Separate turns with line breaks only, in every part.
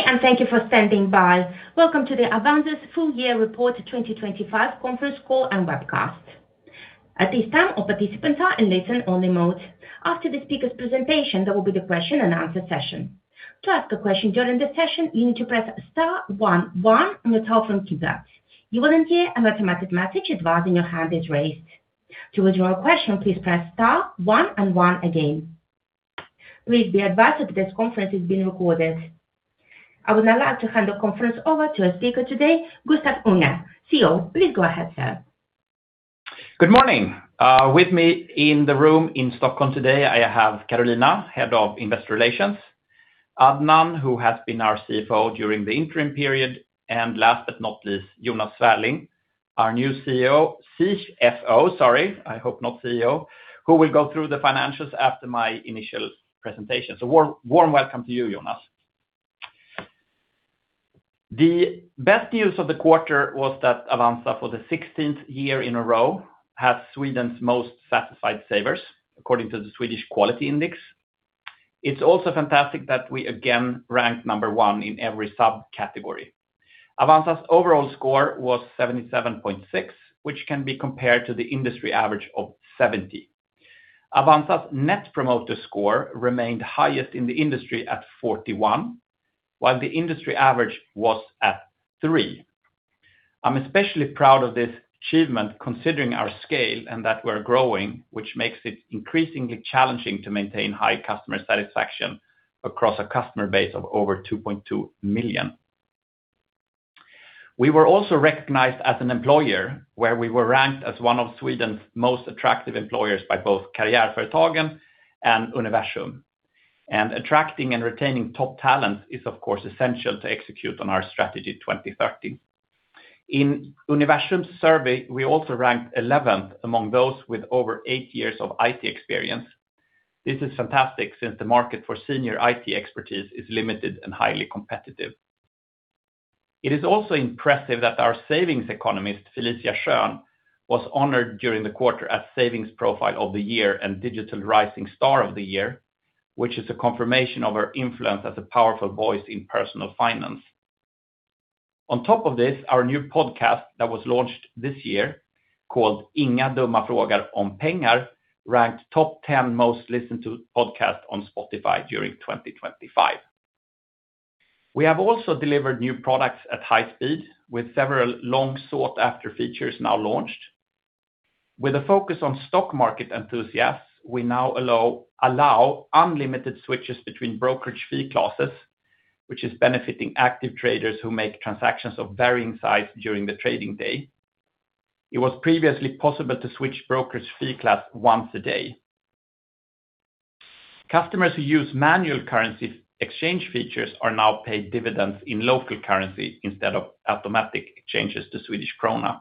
Good day, and thank you for standing by. Welcome to the Avanza's full-year report 2025 conference call and webcast. At this time, all participants are in listen-only mode. After the speaker's presentation, there will be the question-and-answer session. To ask a question during the session, you need to press star 1 on your telephone keypad. You will then hear an automatic message advising your hand is raised. To withdraw a question, please press star 1 again. Please be advised that this conference is being recorded. I would now like to hand the conference over to our speaker today, Gustaf Unger, CEO. Please go ahead, sir.
Good morning. With me in the room in Stockholm today, I have Karolina, Head of Investor Relations, Adnan, who has been our CFO during the interim period, and last but not least, Jonas Svärling, our new CEO, CFO - sorry, I hope not CEO - who will go through the financials after my initial presentation, so warm welcome to you, Jonas. The best news of the quarter was that Avanza, for the 16th year in a row, has Sweden's most satisfied savers, according to the Swedish Quality Index. It's also fantastic that we again ranked number one in every subcategory. Avanza's overall score was 77.6, which can be compared to the industry average of 70. Avanza's net promoter score remained highest in the industry at 41, while the industry average was at 3. I'm especially proud of this achievement, considering our scale and that we're growing, which makes it increasingly challenging to maintain high customer satisfaction across a customer base of over 2.2 million. We were also recognized as an employer, where we were ranked as one of Sweden's most attractive employers by both Karriärföretagen and Universum. And attracting and retaining top talents is, of course, essential to execute on our strategy 2030. In Universum's survey, we also ranked 11th among those with over eight years of IT experience. This is fantastic since the market for senior IT expertise is limited and highly competitive. It is also impressive that our savings economist, Felicia Schön, was honored during the quarter as Savings Profile of the Year and Digital Rising Star of the Year, which is a confirmation of her influence as a powerful voice in personal finance. On top of this, our new podcast that was launched this year, called "Inga dumma frågor om pengar", ranked top 10 most listened-to podcasts on Spotify during 2025. We have also delivered new products at high speed, with several long-sought-after features now launched. With a focus on stock market enthusiasts, we now allow unlimited switches between brokerage fee classes, which is benefiting active traders who make transactions of varying size during the trading day. It was previously possible to switch brokerage fee class once a day. Customers who use manual currency exchange features are now paid dividends in local currency instead of automatic exchanges to Swedish krona.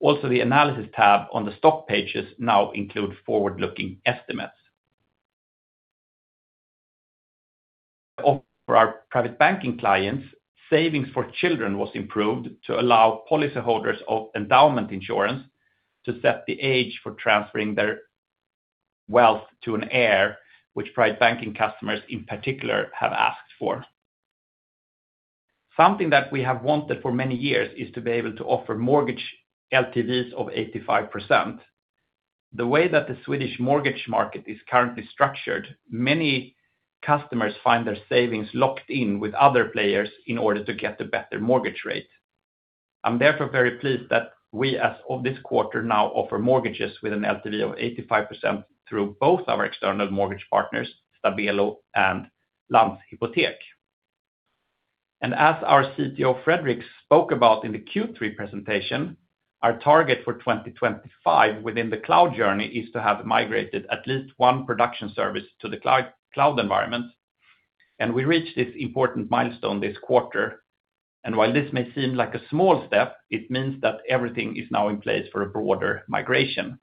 Also, the analysis tab on the stock pages now includes forward-looking estimates. For our Private Banking clients, savings for children was improved to allow policyholders of endowment insurance to set the age for transferring their wealth to an heir, which Private Banking customers, in particular, have asked for. Something that we have wanted for many years is to be able to offer mortgage LTVs of 85%. The way that the Swedish mortgage market is currently structured, many customers find their savings locked in with other players in order to get a better mortgage rate. I'm therefore very pleased that we, as of this quarter, now offer mortgages with an LTV of 85% through both our external mortgage partners, Stabelo and Landshypotek, and as our CTO, Fredrik, spoke about in the Q3 presentation, our target for 2025 within the cloud journey is to have migrated at least one production service to the cloud environment, and we reached this important milestone this quarter. While this may seem like a small step, it means that everything is now in place for a broader migration.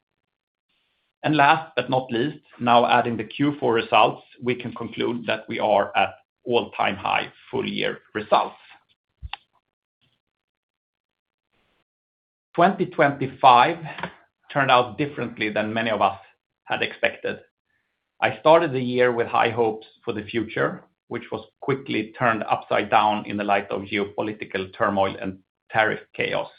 Last but not least, now adding the Q4 results, we can conclude that we are at all-time high full-year results. 2025 turned out differently than many of us had expected. I started the year with high hopes for the future, which was quickly turned upside down in the light of geopolitical turmoil and tariff chaos.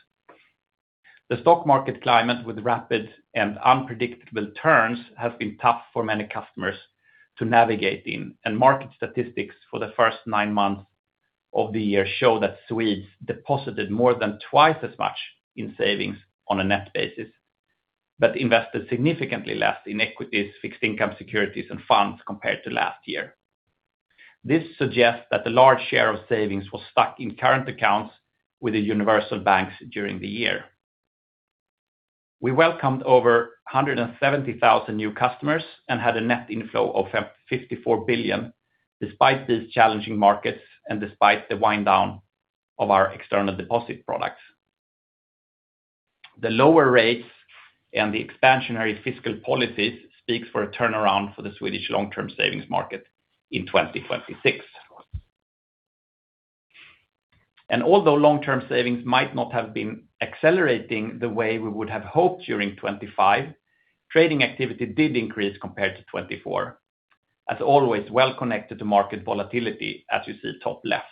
The stock market climate, with rapid and unpredictable turns, has been tough for many customers to navigate in. Market statistics for the first nine months of the year show that Swedes deposited more than twice as much in savings on a net basis, but invested significantly less in equities, fixed income securities, and funds compared to last year. This suggests that a large share of savings was stuck in current accounts within universal banks during the year. We welcomed over 170,000 new customers and had a net inflow of 54 billion, despite these challenging markets and despite the wind-down of our external deposit products. The lower rates and the expansionary fiscal policies speak for a turnaround for the Swedish long-term savings market in 2026, and although long-term savings might not have been accelerating the way we would have hoped during 2025, trading activity did increase compared to 2024, as always well connected to market volatility, as you see top left.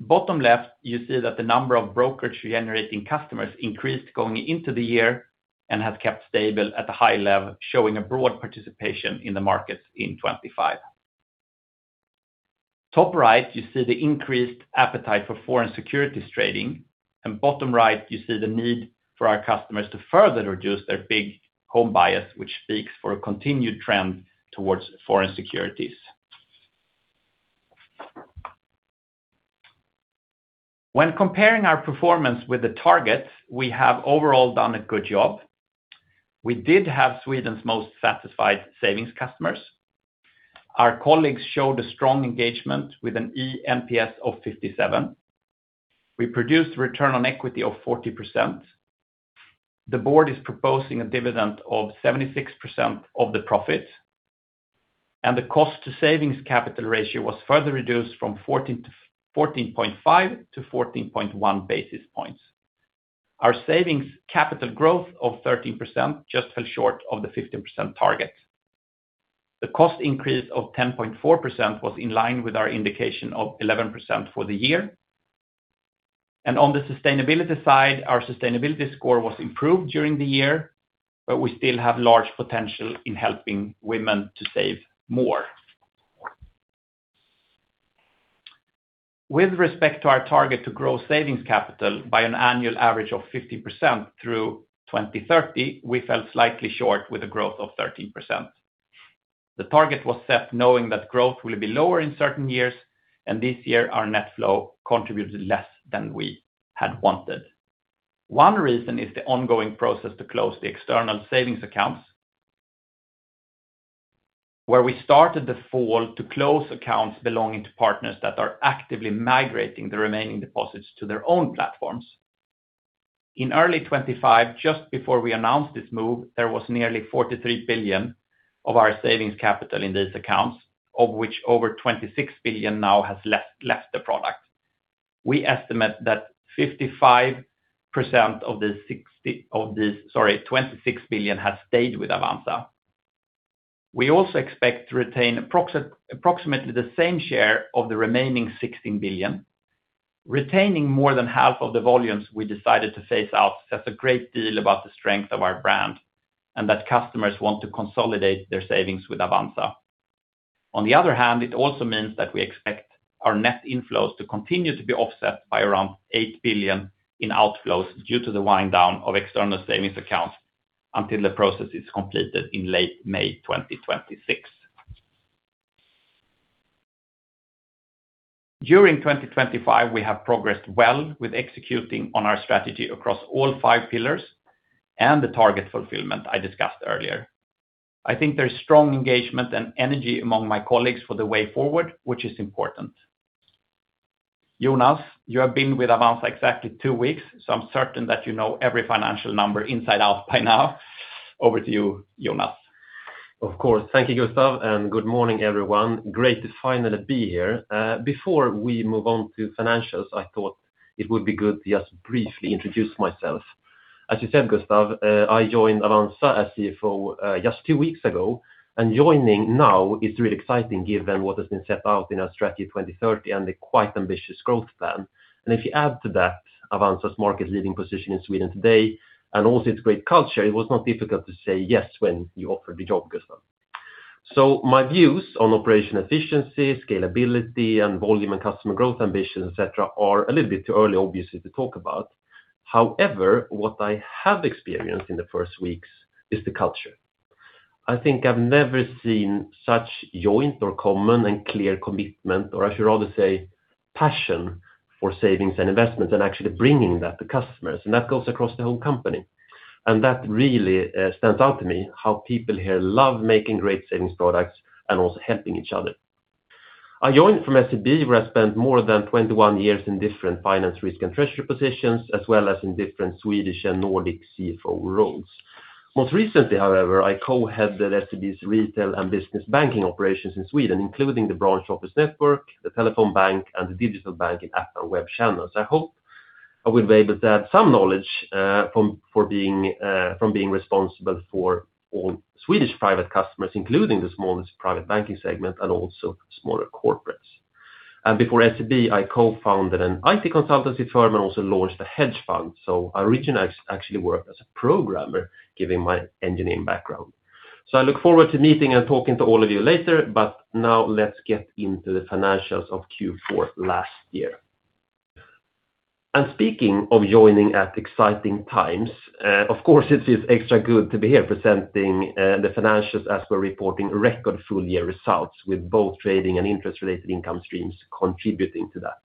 Bottom left, you see that the number of brokerage-generating customers increased going into the year and has kept stable at a high level, showing a broad participation in the markets in 2025. Top right, you see the increased appetite for foreign securities trading, and bottom right, you see the need for our customers to further reduce their big home bias, which speaks for a continued trend towards foreign securities. When comparing our performance with the target, we have overall done a good job. We did have Sweden's most satisfied savings customers. Our colleagues showed a strong engagement with an eNPS of 57. We produced a return on equity of 40%. The board is proposing a dividend of 76% of the profit, and the cost-to-savings capital ratio was further reduced from 14.5 to 14.1 basis points. Our savings capital growth of 13% just fell short of the 15% target. The cost increase of 10.4% was in line with our indication of 11% for the year. On the sustainability side, our sustainability score was improved during the year, but we still have large potential in helping women to save more. With respect to our target to grow savings capital by an annual average of 50% through 2030, we fell slightly short with a growth of 13%. The target was set knowing that growth will be lower in certain years, and this year our net flow contributed less than we had wanted. One reason is the ongoing process to close the external savings accounts, where we started in the fall to close accounts belonging to partners that are actively migrating the remaining deposits to their own platforms. In early 2025, just before we announced this move, there was nearly 43 billion of our savings capital in these accounts, of which over 26 billion now has left the product. We estimate that 55% of these 26 billion has stayed with Avanza. We also expect to retain approximately the same share of the remaining 16 billion. Retaining more than half of the volumes we decided to phase out says a great deal about the strength of our brand and that customers want to consolidate their savings with Avanza. On the other hand, it also means that we expect our net inflows to continue to be offset by around 8 billion in outflows due to the wind-down of external savings accounts until the process is completed in late May 2026. During 2025, we have progressed well with executing on our strategy across all five pillars and the target fulfillment I discussed earlier. I think there is strong engagement and energy among my colleagues for the way forward, which is important. Jonas, you have been with Avanza exactly two weeks, so I'm certain that you know every financial number inside out by now. Over to you, Jonas.
Of course. Thank you, Gustaf, and good morning, everyone. Great to finally be here. Before we move on to financials, I thought it would be good to just briefly introduce myself. As you said, Gustaf, I joined Avanza as CFO just two weeks ago, and joining now is really exciting given what has been set out in our Strategy 2030 and the quite ambitious growth plan. And if you add to that Avanza's market-leading position in Sweden today and also its great culture, it was not difficult to say yes when you offered the job, Gustaf. So my views on operational efficiency, scalability, and volume and customer growth ambitions, et cetera, are a little bit too early, obviously, to talk about. However, what I have experienced in the first weeks is the culture. I think I've never seen such joint or common and clear commitment, or I should rather say passion for savings and investments and actually bringing that to customers. That goes across the whole company. That really stands out to me, how people here love making great savings products and also helping each other. I joined from SEB, where I spent more than 21 years in different finance, risk, and treasury positions, as well as in different Swedish and Nordic CFO roles. Most recently, however, I co-headed SEB's retail and business banking operations in Sweden, including the branch office network, the telephone bank, and the digital banking app and web channels. I hope I will be able to add some knowledge from being responsible for all Swedish private customers, including the smallest private banking segment and also smaller corporates. And before SEB, I co-founded an IT consultancy firm and also launched a hedge fund. So originally, I actually worked as a programmer, given my engineering background. So I look forward to meeting and talking to all of you later, but now let's get into the financials of Q4 last year. And speaking of joining at exciting times, of course, it feels extra good to be here presenting the financials as we're reporting record full-year results, with both trading and interest-related income streams contributing to that.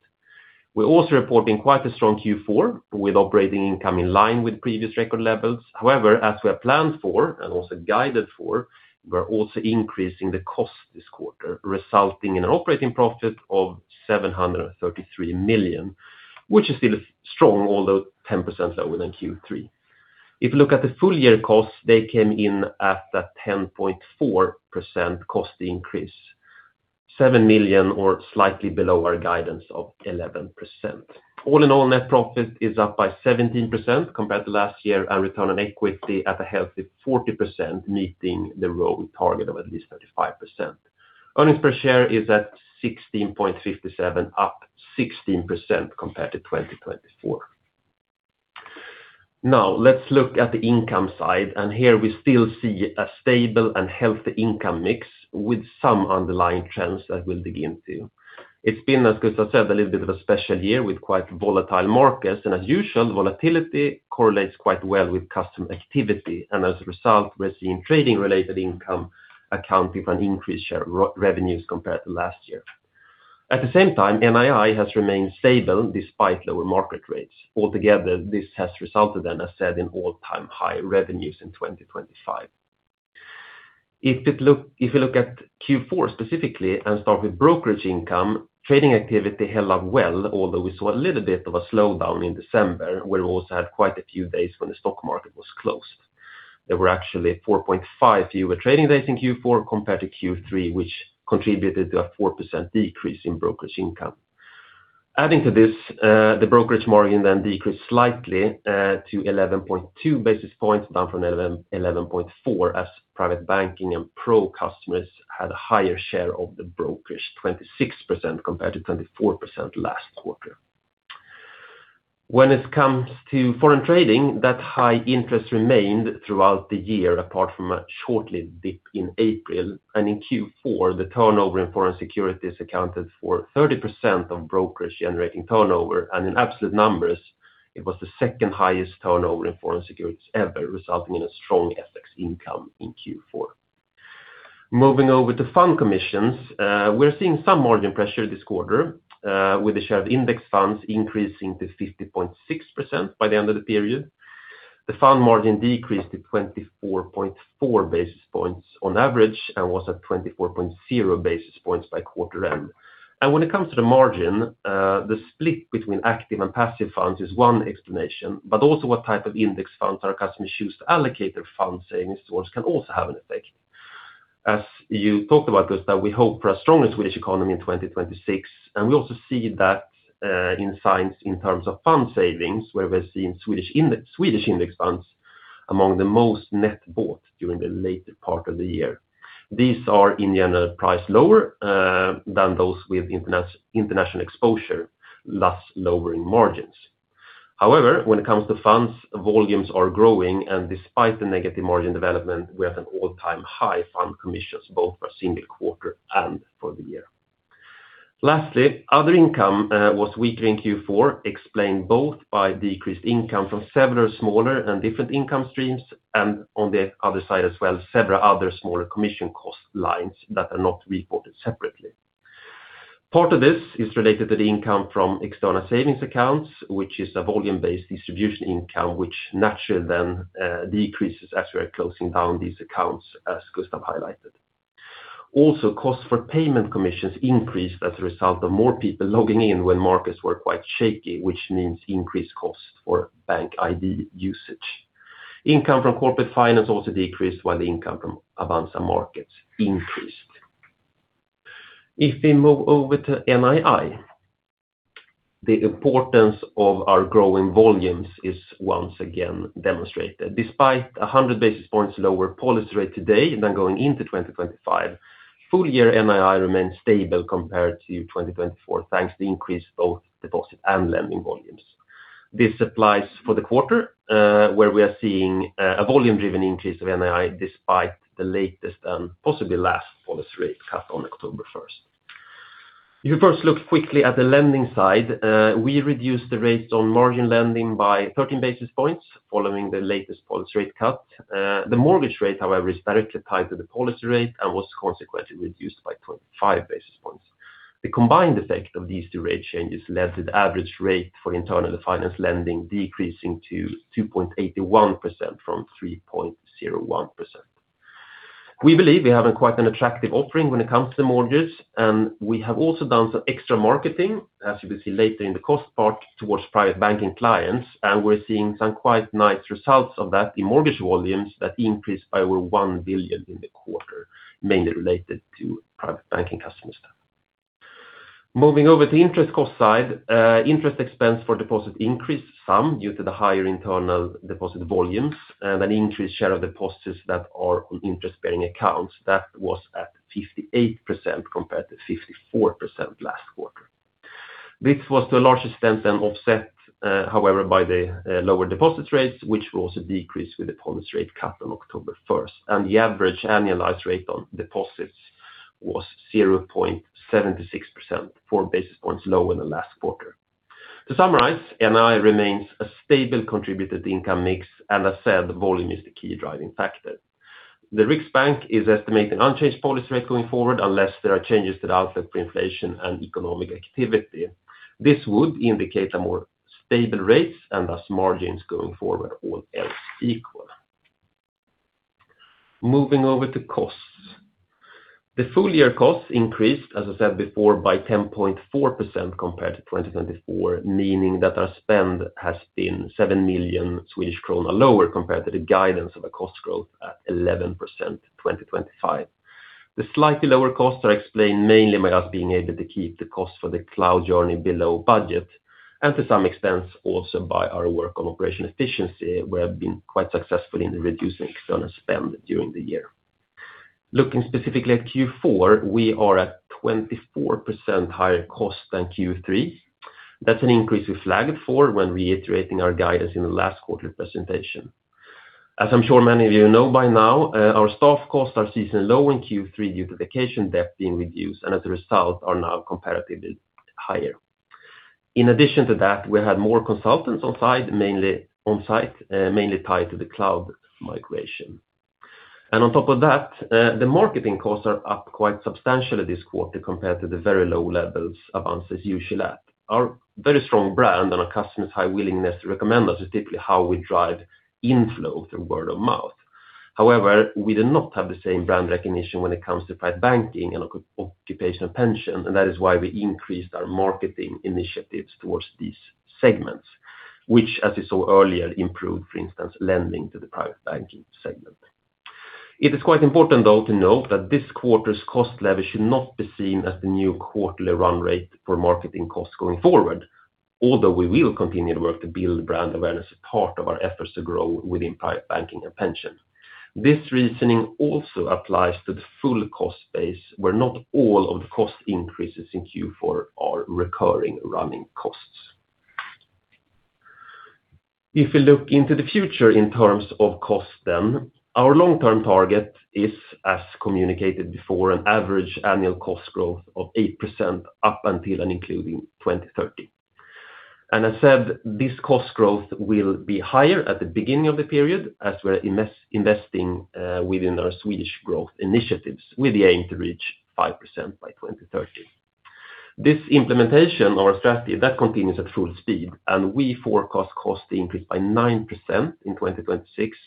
We're also reporting quite a strong Q4, with operating income in line with previous record levels. However, as we have planned for and also guided for, we're also increasing the cost this quarter, resulting in an operating profit of 733 million, which is still strong, although 10% lower than Q3. If you look at the full-year costs, they came in at a 10.4% cost increase, 7 million or slightly below our guidance of 11%. All in all, net profit is up by 17% compared to last year, and Return on Equity at a healthy 40%, meeting the growth target of at least 35%. Earnings per share is at 16.57, up 16% compared to 2024. Now, let's look at the income side, and here we still see a stable and healthy income mix with some underlying trends that we'll dig into. It's been, as Gustaf said, a little bit of a special year with quite volatile markets, and as usual, volatility correlates quite well with customer activity, and as a result, we're seeing trading-related income accounting for an increase in revenues compared to last year. At the same time, NII has remained stable despite lower market rates. Altogether, this has resulted in, as said, in all-time high revenues in 2025. If we look at Q4 specifically and start with brokerage income, trading activity held up well, although we saw a little bit of a slowdown in December, where we also had quite a few days when the stock market was closed. There were actually 4.5 fewer trading days in Q4 compared to Q3, which contributed to a 4% decrease in brokerage income. Adding to this, the brokerage margin then decreased slightly to 11.2 basis points, down from 11.4, as private banking and pro customers had a higher share of the brokerage, 26% compared to 24% last quarter. When it comes to foreign trading, that high interest remained throughout the year, apart from a short-lived dip in April. In Q4, the turnover in foreign securities accounted for 30% of brokerage-generating turnover, and in absolute numbers, it was the second highest turnover in foreign securities ever, resulting in a strong FX income in Q4. Moving over to fund commissions, we're seeing some margin pressure this quarter, with the share of index funds increasing to 50.6% by the end of the period. The fund margin decreased to 24.4 basis points on average and was at 24.0 basis points by quarter end. When it comes to the margin, the split between active and passive funds is one explanation, but also what type of index funds our customers choose to allocate their fund savings towards can also have an effect. As you talked about, Gustaf, we hope for a stronger Swedish economy in 2026, and we also see signs in terms of fund savings, where we're seeing Swedish index funds among the most net bought during the later part of the year. These are, in general, priced lower than those with international exposure, thus lowering margins. However, when it comes to funds, volumes are growing, and despite the negative margin development, we're at an all-time high in fund commissions, both for a single quarter and for the year. Lastly, other income was weaker in Q4, explained both by decreased income from several smaller and different income streams, and on the other side as well, several other smaller commission cost lines that are not reported separately. Part of this is related to the income from external savings accounts, which is a volume-based distribution income, which naturally then decreases as we are closing down these accounts, as Gustaf highlighted. Also, costs for payment commissions increased as a result of more people logging in when markets were quite shaky, which means increased costs for BankID usage. Income from corporate finance also decreased, while the income from Avanza Markets increased. If we move over to NII, the importance of our growing volumes is once again demonstrated. Despite a 100 basis points lower policy rate today than going into 2025, full-year NII remains stable compared to 2024, thanks to the increase in both deposit and lending volumes. This applies for the quarter, where we are seeing a volume-driven increase of NII despite the latest and possibly last policy rate cut on October 1. If we first look quickly at the lending side, we reduced the rates on margin lending by 13 basis points following the latest policy rate cut. The mortgage rate, however, is directly tied to the policy rate and was consequently reduced by 25 basis points. The combined effect of these two rate changes led to the average rate for internal finance lending decreasing to 2.81% from 3.01%. We believe we have quite an attractive offering when it comes to mortgages, and we have also done some extra marketing, as you will see later in the cost part, towards Private Banking clients, and we're seeing some quite nice results of that in mortgage volumes that increased by over 1 billion in the quarter, mainly related to Private Banking customers. Moving over to the interest cost side, interest expense for deposit increased some due to the higher internal deposit volumes and an increased share of deposits that are on interest-bearing accounts. That was at 58% compared to 54% last quarter. This was to a large extent then offset, however, by the lower deposit rates, which were also decreased with the policy rate cut on October 1st, and the average annualized rate on deposits was 0.76%, 4 basis points lower than last quarter. To summarize, NII remains a stable contributed income mix, and as said, volume is the key driving factor. The Riksbank is estimating unchanged policy rates going forward unless there are changes to the outlook for inflation and economic activity. This would indicate more stable rates and thus margins going forward, all else equal. Moving over to costs. The full-year costs increased, as I said before, by 10.4% compared to 2024, meaning that our spend has been 7 million Swedish kronor lower compared to the guidance of a cost growth at 11% in 2025. The slightly lower costs are explained mainly by us being able to keep the costs for the cloud journey below budget and to some extent also by our work on operational efficiency, where we've been quite successful in reducing external spend during the year. Looking specifically at Q4, we are at 24% higher cost than Q3. That's an increase we flagged for when reiterating our guidance in the last quarter presentation. As I'm sure many of you know by now, our staff costs are seasonally low in Q3 due to vacation debt being reduced and as a result are now comparatively higher. In addition to that, we had more consultants on site, mainly tied to the cloud migration. And on top of that, the marketing costs are up quite substantially this quarter compared to the very low levels Avanza is usually at. Our very strong brand and our customers' high willingness to recommend us is typically how we drive inflow through word of mouth. However, we do not have the same brand recognition when it comes to Private Banking and occupational pension, and that is why we increased our marketing initiatives towards these segments, which, as you saw earlier, improved, for instance, lending to the Private Banking segment. It is quite important, though, to note that this quarter's cost lever should not be seen as the new quarterly run rate for marketing costs going forward, although we will continue to work to build brand awareness as part of our efforts to grow within private banking and pension. This reasoning also applies to the full cost base, where not all of the cost increases in Q4 are recurring running costs. If we look into the future in terms of costs, then our long-term target is, as communicated before, an average annual cost growth of 8% up until and including 2030. And as said, this cost growth will be higher at the beginning of the period as we're investing within our Swedish growth initiatives with the aim to reach 5% by 2030. This implementation of our strategy, that continues at full speed, and we forecast cost increase by 9% in 2026,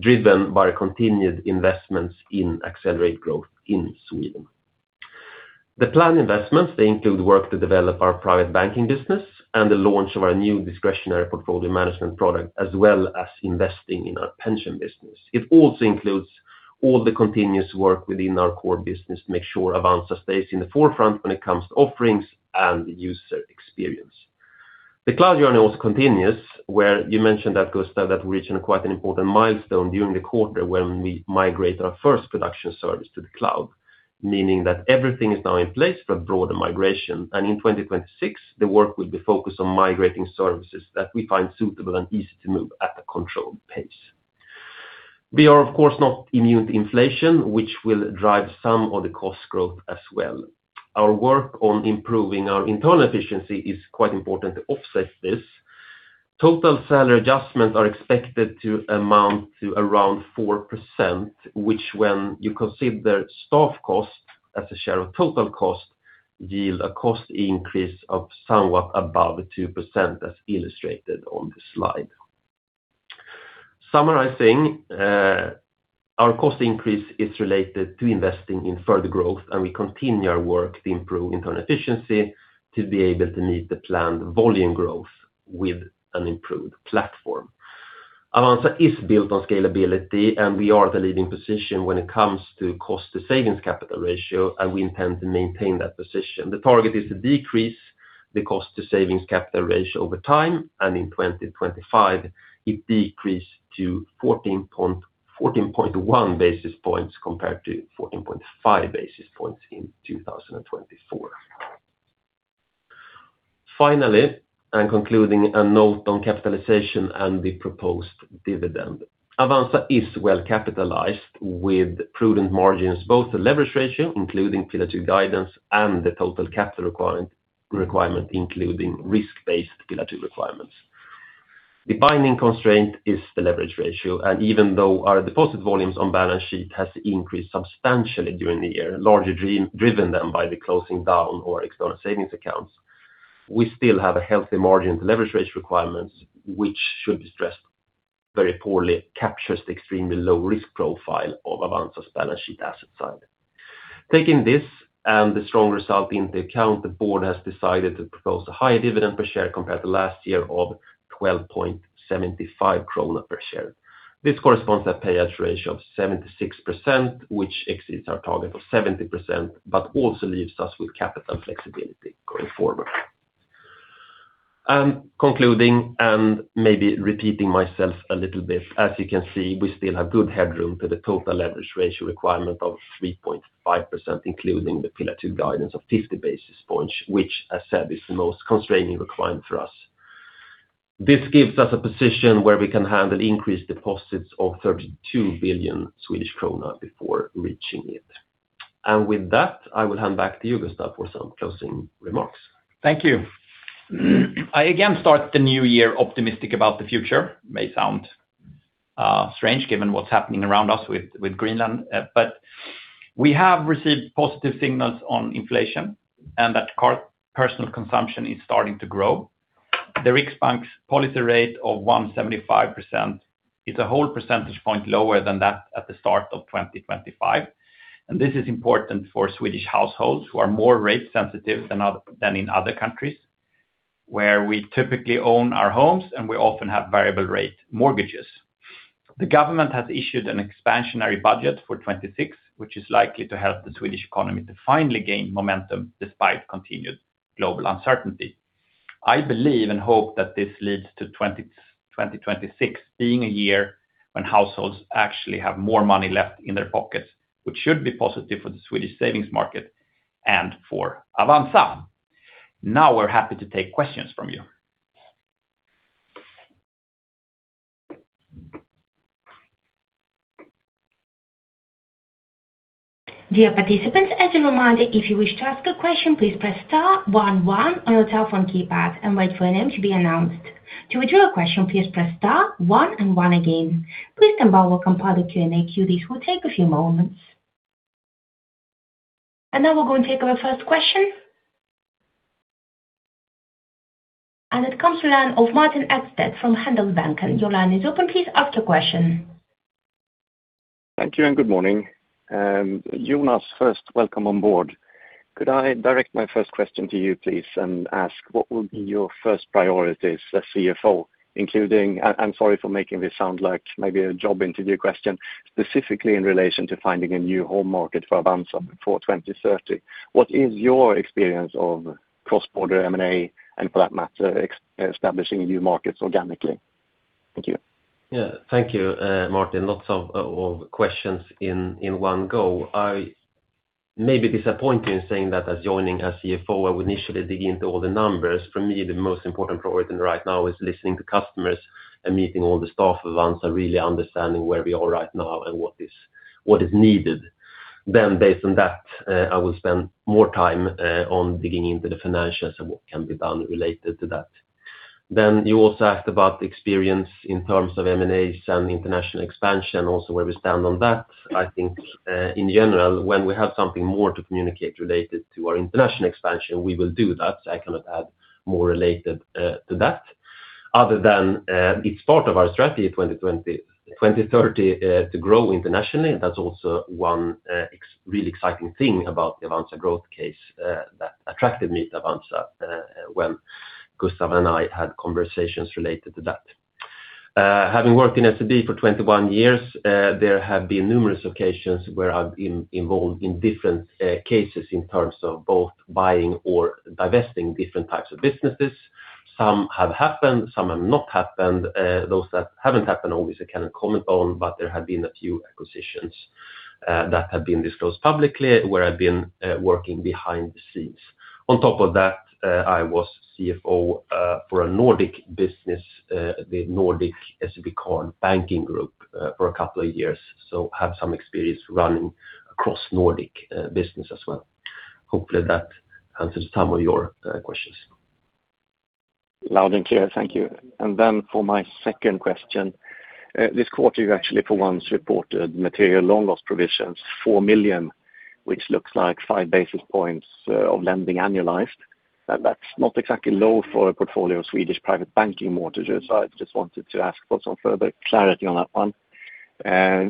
driven by continued investments in accelerate growth in Sweden. The planned investments, they include work to develop our Private Banking business and the launch of our new Discretionary Portfolio Management product, as well as investing in our pension business. It also includes all the continuous work within our core business to make sure Avanza stays in the forefront when it comes to offerings and user experience. The cloud journey also continues, where you mentioned that, Gustaf, that we reached quite an important milestone during the quarter when we migrate our first production service to the cloud, meaning that everything is now in place for a broader migration, and in 2026, the work will be focused on migrating services that we find suitable and easy to move at a controlled pace. We are, of course, not immune to inflation, which will drive some of the cost growth as well. Our work on improving our internal efficiency is quite important to offset this. Total salary adjustments are expected to amount to around 4%, which, when you consider staff costs as a share of total cost, yield a cost increase of somewhat above 2%, as illustrated on the slide. Summarizing, our cost increase is related to investing in further growth, and we continue our work to improve internal efficiency to be able to meet the planned volume growth with an improved platform. Avanza is built on scalability, and we are at a leading position when it comes to Cost-to-savings capital ratio, and we intend to maintain that position. The target is to decrease the cost-to-savings capital ratio over time, and in 2025, it decreased to 14.1 basis points compared to 14.5 basis points in 2024. Finally, and concluding, a note on capitalization and the proposed dividend. Avanza is well capitalized with prudent margins, both the leverage ratio, including Pillar 2 guidance, and the total capital requirement, including risk-based Pillar 2 requirements. The binding constraint is the leverage ratio, and even though our deposit volumes on balance sheet have increased substantially during the year, largely driven then by the closing down of our external savings accounts, we still have a healthy margin to leverage ratio requirements, which should be stressed, very poorly captures the extremely low risk profile of Avanza's balance sheet asset side. Taking this and the strong result in the account, the board has decided to propose a higher dividend per share compared to last year of 12.75 krona per share. This corresponds to a payout ratio of 76%, which exceeds our target of 70%, but also leaves us with capital flexibility going forward, and concluding, and maybe repeating myself a little bit, as you can see, we still have good headroom to the total leverage ratio requirement of 3.5%, including the Pillar 2 guidance of 50 basis points, which, as said, is the most constraining requirement for us. This gives us a position where we can handle increased deposits of 32 billion Swedish krona before reaching it, and with that, I will hand back to you, Gustaf, for some closing remarks.
Thank you. I again start the new year optimistic about the future. It may sound strange given what's happening around us with Greenland, but we have received positive signals on inflation and that personal consumption is starting to grow. The Riksbank's policy rate of 1.75% is a whole percentage point lower than that at the start of 2025, and this is important for Swedish households who are more rate sensitive than in other countries, where we typically own our homes and we often have variable rate mortgages. The government has issued an expansionary budget for 2026, which is likely to help the Swedish economy to finally gain momentum despite continued global uncertainty. I believe and hope that this leads to 2026 being a year when households actually have more money left in their pockets, which should be positive for the Swedish savings market and for Avanza. Now we're happy to take questions from you.
Dear participants, as you're reminded, if you wish to ask a question, please press star one, one on your telephone keypad and wait for your name to be announced. To withdraw a question, please press star one and one again. Please then join the Q&A queue. This will take a few moments, and now we're going to take our first question, and it comes from the line of Martin Ekstedt from Handelsbanken, and your line is open. Please ask your question.
Thank you and good morning. Jonas, first, welcome on board. Could I direct my first question to you, please, and ask what will be your first priorities as CFO, including, I'm sorry for making this sound like maybe a job interview question, specifically in relation to finding a new home market for Avanza for 2030? What is your experience of cross-border M&A and, for that matter, establishing new markets organically? Thank you.
Yeah, thank you, Martin. Lots of questions in one go. I may be disappointed in saying that as joining as CFO, I will initially dig into all the numbers. For me, the most important priority right now is listening to customers and meeting all the staff of Avanza and really understanding where we are right now and what is needed. Then, based on that, I will spend more time on digging into the financials and what can be done related to that. Then you also asked about experience in terms of M&As and international expansion, also where we stand on that. I think, in general, when we have something more to communicate related to our international expansion, we will do that. So I cannot add more related to that. Other than it's part of our strategy in 2030 to grow internationally, that's also one really exciting thing about the Avanza growth case that attracted me to Avanza when Gustaf and I had conversations related to that. Having worked in SEB for 21 years, there have been numerous occasions where I've been involved in different cases in terms of both buying or divesting different types of businesses. Some have happened, some have not happened. Those that haven't happened, obviously, I cannot comment on, but there have been a few acquisitions that have been disclosed publicly where I've been working behind the scenes. On top of that, I was CFO for a Nordic business, the Nordic SEB Card Banking Group, for a couple of years, so I have some experience running across Nordic business as well. Hopefully, that answers some of your questions.
Loud and clear, thank you. For my second question, this quarter, you actually for once reported material loan-loss provisions, 4 million, which looks like 5 basis points of lending annualized. That's not exactly low for a portfolio of Swedish private banking mortgages. I just wanted to ask for some further clarity on that one.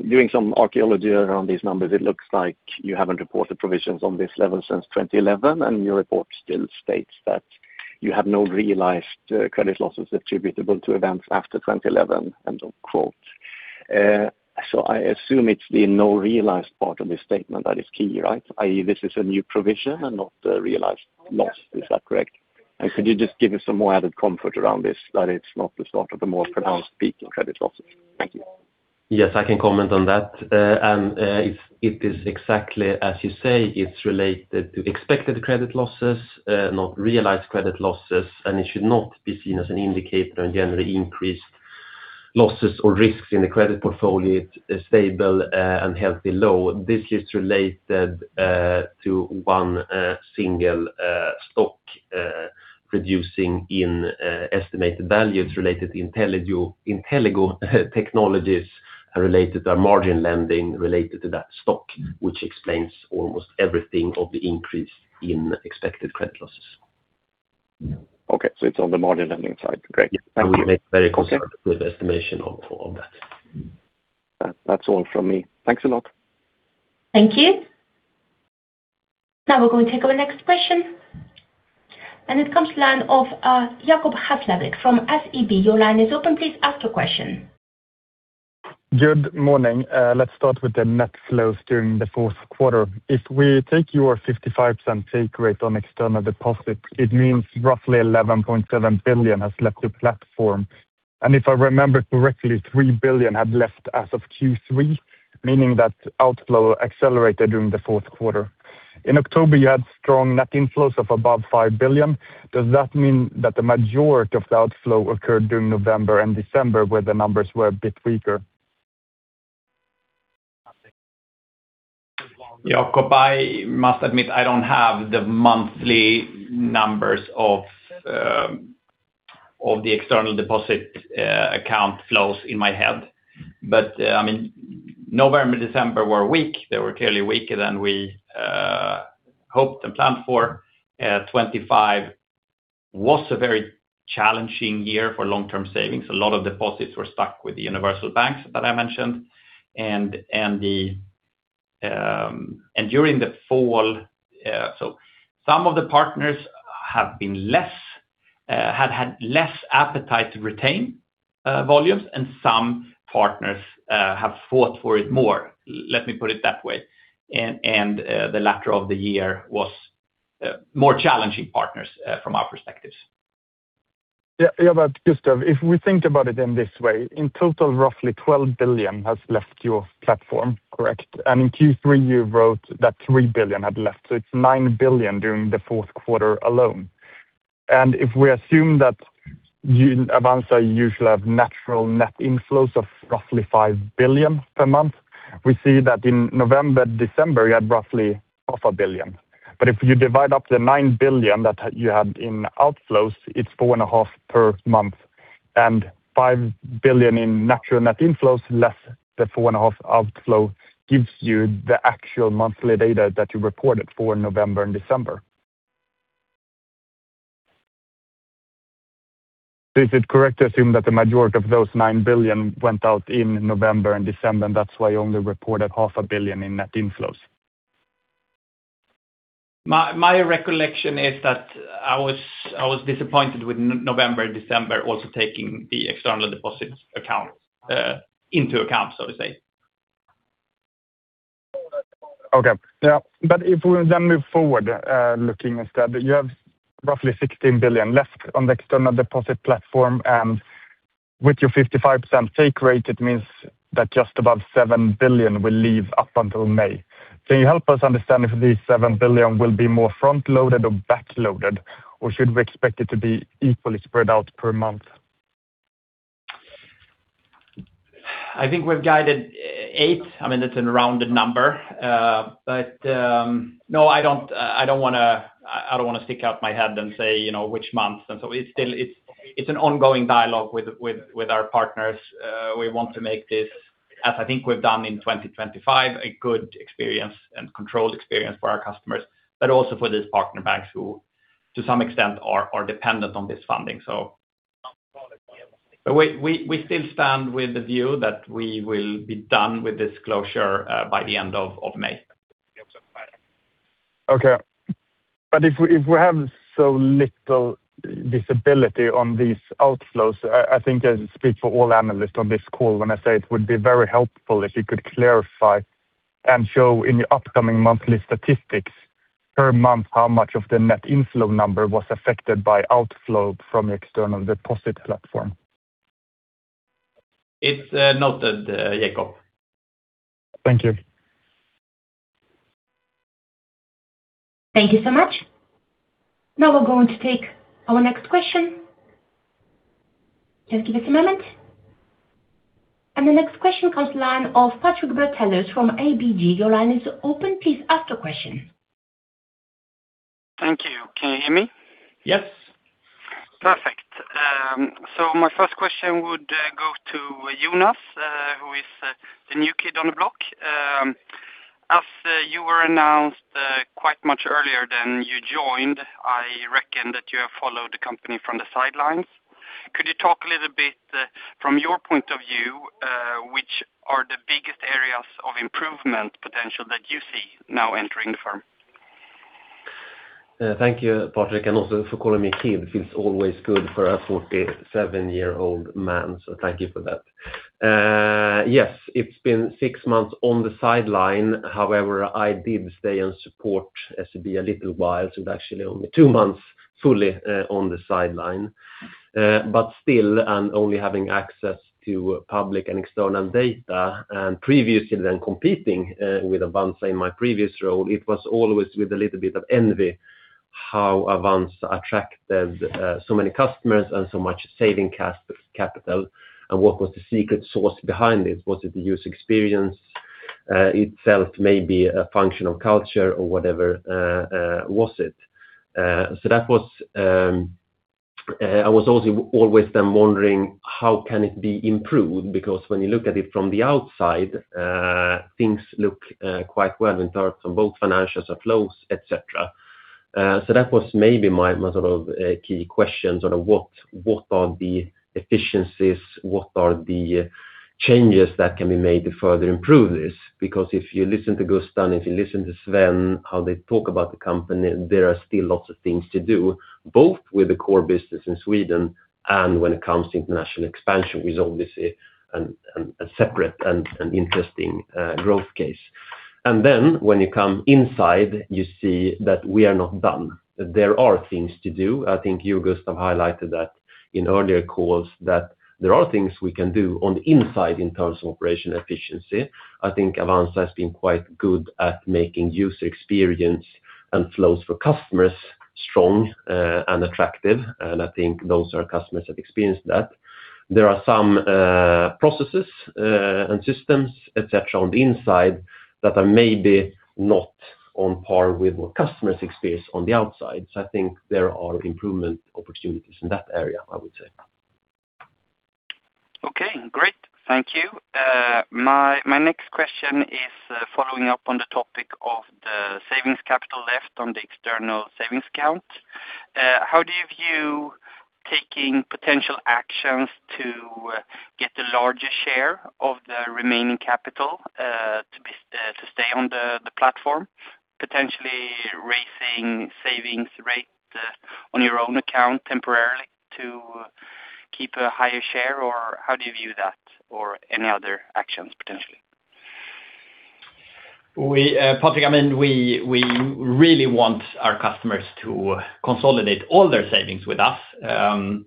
Doing some archaeology around these numbers, it looks like you haven't reported provisions on this level since 2011, and your report still states that you have no realized credit losses attributable to events after 2011, end of quote. I assume it's the no realized part of this statement that is key, right? I mean, this is a new provision and not a realized loss, is that correct? And could you just give us some more added comfort around this, that it's not the start of the more pronounced peak in credit losses? Thank you.
Yes, I can comment on that, and it is exactly as you say, it's related to expected credit losses, not realized credit losses, and it should not be seen as an indicator on generally increased losses or risks in the credit portfolio. It's stable and healthy low. This is related to one single stock reducing in estimated value. It's related to Intellego Technologies and related to our margin lending related to that stock, which explains almost everything of the increase in expected credit losses.
Okay, so it's on the margin lending side. Great. Thank you.
Very conservative estimation of that.
That's all from me. Thanks a lot.
Thank you. Now we're going to take our next question, and it comes to the line of [Jacob Hasselblad] from SEB. Your line is open. Please ask your question.
Good morning. Let's start with the net flows during the fourth quarter. If we take your 55% take rate on external deposits, it means roughly 11.7 billion has left your platform. And if I remember correctly, 3 billion had left as of Q3, meaning that outflow accelerated during the fourth quarter. In October, you had strong net inflows of above 5 billion. Does that mean that the majority of the outflow occurred during November and December, where the numbers were a bit weaker?
Jacob, I must admit, I don't have the monthly numbers of the external deposit account flows in my head. But I mean, November and December were weak. They were clearly weaker than we hoped and planned for. 2025 was a very challenging year for long-term savings. A lot of deposits were stuck with the universal banks that I mentioned. During the fall, so some of the partners have been less, had less appetite to retain volumes, and some partners have fought for it more. Let me put it that way. The latter part of the year was more challenging for partners from our perspective.
Yeah, but Gustaf, if we think about it in this way, in total, roughly 12 billion has left your platform, correct? In Q3, you wrote that 3 billion had left. It's 9 billion during the fourth quarter alone. If we assume that you, Avanza, usually have natural net inflows of roughly 5 billion per month, we see that in November, December, you had roughly 0.5 billion. If you divide up the 9 billion that you had in outflows, it's 4.5 billion per month. 5 billion in natural net inflows, less the 4.5 billion outflow, gives you the actual monthly data that you reported for November and December. Is it correct to assume that the majority of those 9 billion went out in November and December, and that's why you only reported 0.5 billion in net inflows?
My recollection is that I was disappointed with November and December, also taking the external deposits account into account, so to say.
Okay. Yeah. But if we then move forward, looking instead, you have roughly 16 billion left on the external deposit platform, and with your 55% take rate, it means that just above 7 billion will leave up until May. Can you help us understand if these 7 billion will be more front-loaded or back-loaded, or should we expect it to be equally spread out per month?
I think we've guided 8 billion. I mean, it's an around the number. But no, I don't want to stick out my head and say which months. And so it's an ongoing dialogue with our partners. We want to make this, as I think we've done in 2025, a good experience and controlled experience for our customers, but also for these partner banks who, to some extent, are dependent on this funding. So we still stand with the view that we will be done with this closure by the end of May.
Okay. But if we have so little visibility on these outflows, I think I speak for all analysts on this call when I say it would be very helpful if you could clarify and show in your upcoming monthly statistics per month how much of the net inflow number was affected by outflow from your external deposit platform.
It's noted, Jacob.
Thank you.
Thank you so much. Now we're going to take our next question. Just give us a moment. The next question comes to the line of Patrik Brattelius from ABG. Your line is open. Please ask your question.
Thank you. Can you hear me?
Yes. Perfect.
So my first question would go to Jonas, who is the new kid on the block. As you were announced quite much earlier than you joined, I reckon that you have followed the company from the sidelines. Could you talk a little bit from your point of view, which are the biggest areas of improvement potential that you see now entering the firm?
Thank you, Patrik, and also for calling me kid. Feels always good for a 47-year-old man, so thank you for that. Yes, it's been six months on the sideline. However, I did stay and support SEB a little while, so it was actually only two months fully on the sideline. But still, and only having access to public and external data, and previously then competing with Avanza in my previous role, it was always with a little bit of envy how Avanza attracted so many customers and so much saving capital. And what was the secret sauce behind this? Was it the user experience itself, maybe a function of culture or whatever was it? So that was I was also always then wondering how can it be improved? Because when you look at it from the outside, things look quite well in terms of both financials and flows, etc. So that was maybe my sort of key question, sort of what are the efficiencies, what are the changes that can be made to further improve this? Because if you listen to Gustaf, and if you listen to Sven, how they talk about the company, there are still lots of things to do, both with the core business in Sweden and when it comes to international expansion, which is obviously a separate and interesting growth case, and then when you come inside, you see that we are not done. There are things to do. I think you, Gustaf, highlighted that in earlier calls, that there are things we can do on the inside in terms of operational efficiency. I think Avanza has been quite good at making user experience and flows for customers strong and attractive, and I think those are customers that experience that. There are some processes and systems, etc., on the inside that are maybe not on par with what customers experience on the outside. So I think there are improvement opportunities in that area, I would say.
Okay. Great. Thank you. My next question is following up on the topic of the savings capital left on the external savings account. How do you view taking potential actions to get the larger share of the remaining capital to stay on the platform, potentially raising savings rate on your own account temporarily to keep a higher share, or how do you view that, or any other actions potentially?
Patrik, I mean, we really want our customers to consolidate all their savings with us. So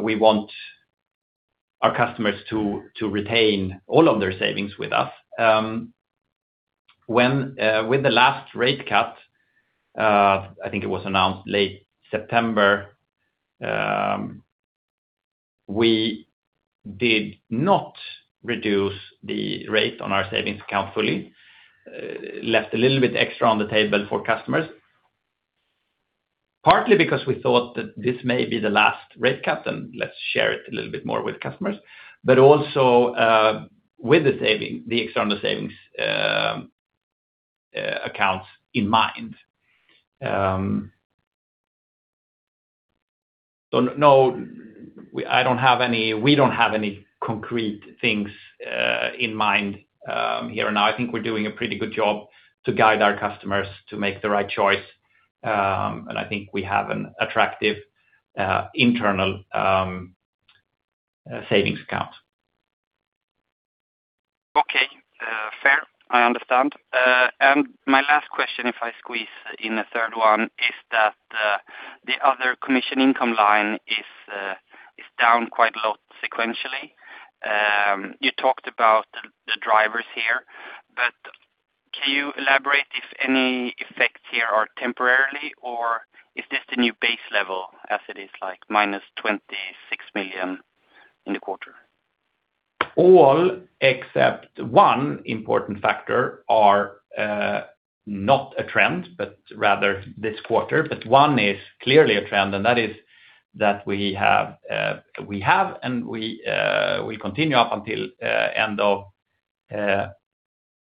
we want our customers to retain all of their savings with us. With the last rate cut, I think it was announced late September, we did not reduce the rate on our savings account fully, left a little bit extra on the table for customers, partly because we thought that this may be the last rate cut, and let's share it a little bit more with customers, but also with the external savings accounts in mind. So no, we don't have any concrete things in mind here and now. I think we're doing a pretty good job to guide our customers to make the right choice. And I think we have an attractive internal savings account.
Okay. Fair. I understand. And my last question, if I squeeze in a third one, is that the other commission income line is down quite a lot sequentially. You talked about the drivers here, but can you elaborate if any effects here are temporary, or is this the new base level as it is, like -26 million in the quarter?
All except one important factor are not a trend, but rather this quarter. But one is clearly a trend, and that is that we have, and we will continue up until the end of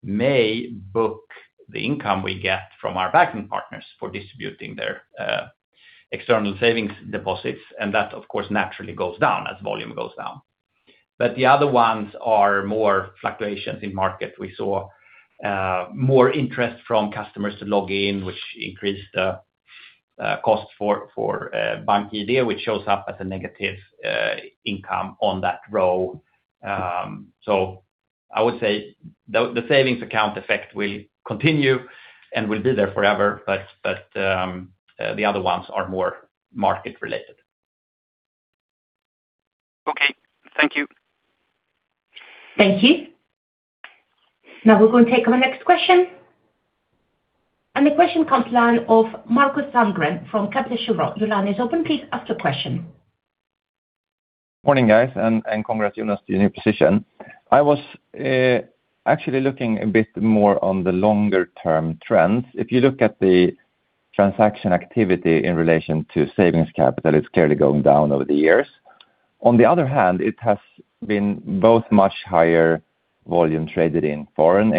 May, book the income we get from our banking partners for distributing their external savings deposits. And that, of course, naturally goes down as volume goes down. But the other ones are more fluctuations in market. We saw more interest from customers to log in, which increased the cost for BankID, which shows up as a negative income on that row. So I would say the savings account effect will continue and will be there forever, but the other ones are more market-related.
Okay. Thank you.
Thank you. Now we're going to take our next question, and the question comes to the line of Markus Sandgren from Kepler Cheuvreux. Your line is open. Please ask your question.
Morning, guys, and congrats, Jonas, to your new position. I was actually looking a bit more on the longer-term trends. If you look at the transaction activity in relation to savings capital, it's clearly going down over the years. On the other hand, it has been both much higher volume traded in foreign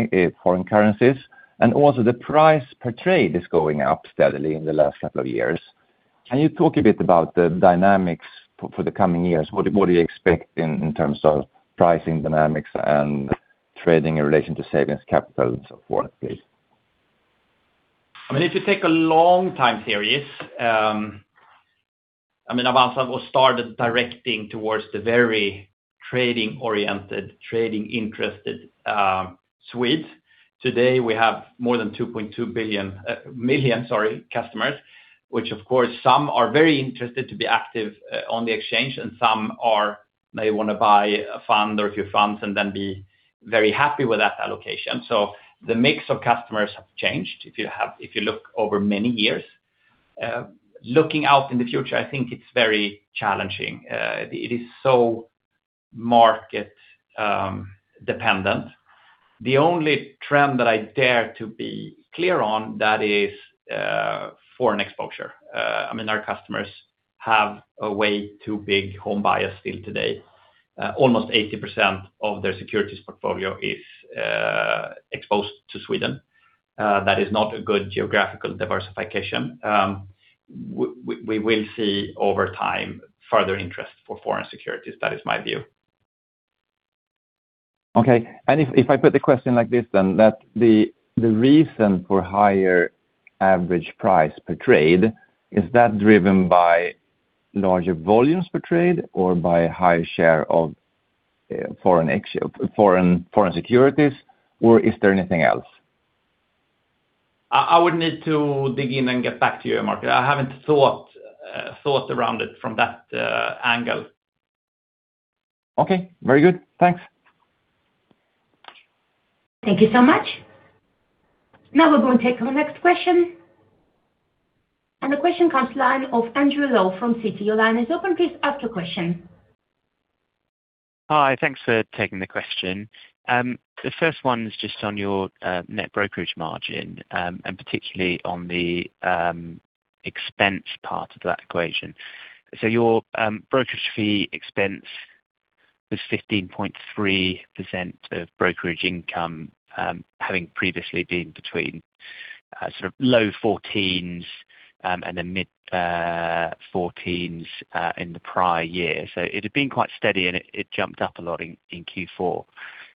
currencies, and also the price per trade is going up steadily in the last couple of years. Can you talk a bit about the dynamics for the coming years? What do you expect in terms of pricing dynamics and trading in relation to savings capital and so forth, please?
I mean, if you take a long time series, I mean, Avanza was started directing towards the very trading-oriented, trading-interested Swedes. Today, we have more than 2.2 million customers, which, of course, some are very interested to be active on the exchange, and some may want to buy a fund or a few funds and then be very happy with that allocation. So the mix of customers has changed if you look over many years. Looking out in the future, I think it's very challenging. It is so market-dependent. The only trend that I dare to be clear on, that is foreign exposure. I mean, our customers have a way too big home bias still today. Almost 80% of their securities portfolio is exposed to Sweden. That is not a good geographical diversification. We will see over time further interest for foreign securities. That is my view.
Okay. If I put the question like this, then that the reason for higher average price per trade is that driven by larger volumes per trade or by a higher share of foreign securities, or is there anything else?
I would need to dig in and get back to you, Markus. I haven't thought around it from that angle.
Okay. Very good. Thanks.
Thank you so much. Now we're going to take our next question. The question comes to the line of Andrew Lowe from Citi. Your line is open. Please ask your question.
Hi. Thanks for taking the question. The first one is just on your net brokerage margin and particularly on the expense part of that equation. So your brokerage fee expense was 15.3% of brokerage income, having previously been between sort of low 14s and then mid 14s in the prior year. So it had been quite steady, and it jumped up a lot in Q4.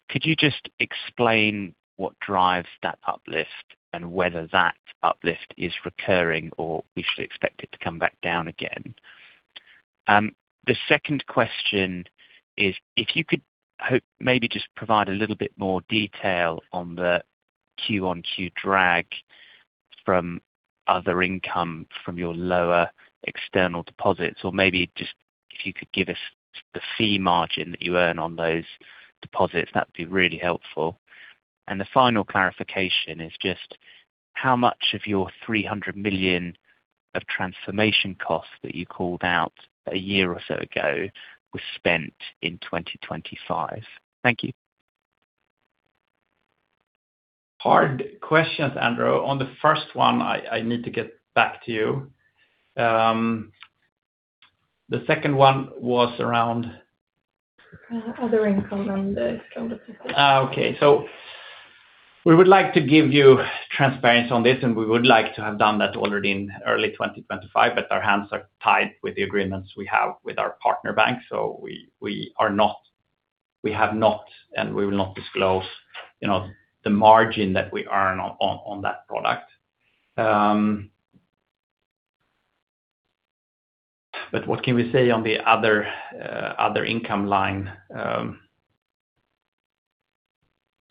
Could you just explain what drives that uplift and whether that uplift is recurring or we should expect it to come back down again? The second question is if you could maybe just provide a little bit more detail on the Q-on-Q drag from other income from your lower external deposits, or maybe just if you could give us the fee margin that you earn on those deposits, that would be really helpful. And the final clarification is just how much of your 300 million of transformation costs that you called out a year or so ago was spent in 2025? Thank you.
Hard questions, Andrew. On the first one, I need to get back to you. The second one was around?
Other income and the external deposits.
Okay. So we would like to give you transparency on this, and we would like to have done that already in early 2025, but our hands are tied with the agreements we have with our partner banks. So we have not, and we will not disclose the margin that we earn on that product. But what can we say on the other income line?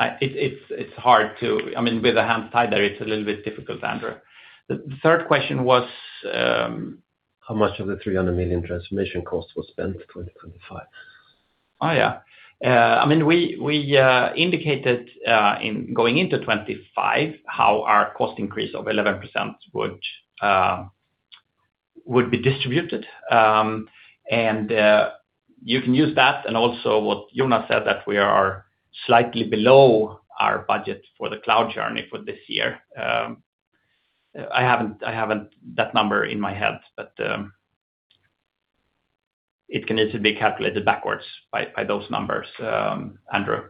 It's hard to, I mean, with the hands tied there, it's a little bit difficult, Andrew. The third question was?
How much of the 300 million transformation costs were spent in 2025?
Oh, yeah. I mean, we indicated in going into 2025 how our cost increase of 11% would be distributed. And you can use that and also what Jonas said, that we are slightly below our budget for the cloud journey for this year. I haven't that number in my head, but it can easily be calculated backwards by those numbers, Andrew.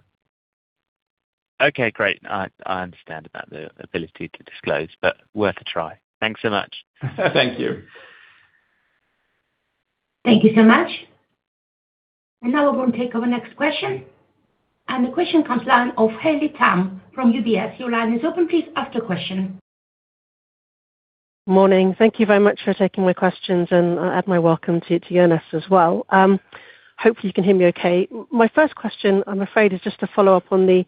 Okay. Great. I understand about the ability to disclose, but worth a try. Thanks so much.
Thank you.
Thank you so much. And now we're going to take our next question. And the question comes to the line of Haley Tam from UBS. Your line is open. Please ask your question.
Morning. Thank you very much for taking my questions, and I'll add my welcome to Jonas as well. Hopefully, you can hear me okay. My first question, I'm afraid, is just to follow up on the